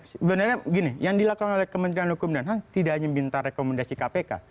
sebenarnya gini yang dilakukan oleh kementerian hukum dan ham tidak hanya minta rekomendasi kpk